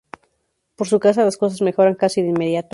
Por su casa las cosas mejoran casi de inmediato.